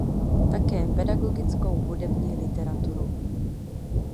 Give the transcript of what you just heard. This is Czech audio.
Také pedagogickou hudební literaturu.